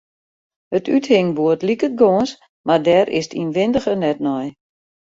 It úthingboerd liket gâns, mar dêr is 't ynwindige net nei.